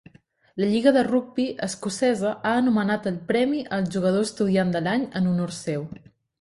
La lliga de rugbi escocesa ha anomenat el Premi al jugador estudiant de l'any en honor seu.